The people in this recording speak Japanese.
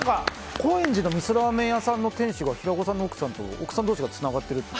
高円寺のみそラーメン屋さんの店主が平子さんの奥さんと奥さん同士でつながってるって。